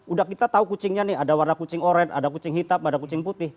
udah kita tahu kucingnya nih ada warna kucing oren ada kucing hitam ada kucing putih